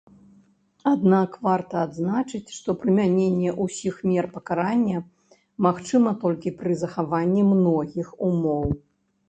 Аднак варта адзначыць, што прымяненне ўсіх мер пакарання магчыма толькі пры захаванні многіх умоў.